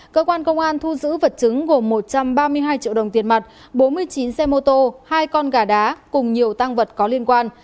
cơ quan công an thu giữ vật chứng gồm một trăm ba mươi hai triệu đồng tiền mặt bốn mươi chín xe mô tô hai con gà đá cùng nhiều tăng vật có liên quan